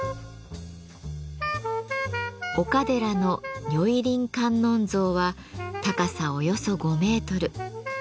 岡寺の如意輪観音像は高さおよそ５メートル。